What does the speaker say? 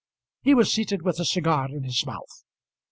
He was seated with a cigar in his mouth.